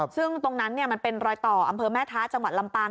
ซึ่งตรงนั้นมันเป็นรอยต่ออำเภอแม่ท้าจังหวัดลำปาง